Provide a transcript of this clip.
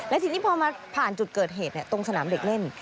และทีนี้พอมาผ่านจุดเกิดเหตุตรงสนามเด็กเล่น